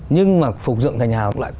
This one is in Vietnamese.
nhưng mà phục dựng thành hào lại